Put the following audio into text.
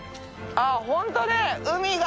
あっホントね海が！